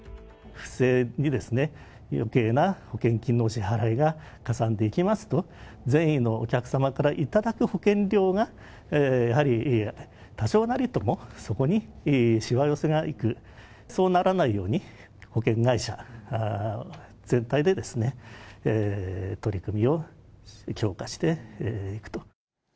不正によけいな現金のお支払いが加算できますと、善意のお客様から頂く保険料がやはり多少なりともそこにしわ寄せがいく、そうならないように保険会社全体で、取り組みを強化していくと。